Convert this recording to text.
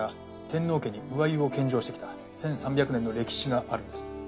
天皇家に鵜鮎を献上してきた１，３００年の歴史があるんです。